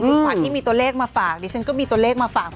คุณขวัญที่มีตัวเลขมาฝากดิฉันก็มีตัวเลขมาฝาก